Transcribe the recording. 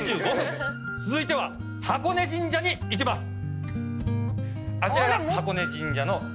続いては箱根神社に行きます。